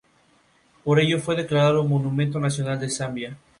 Por ello fue declarado monumento nacional de Zambia.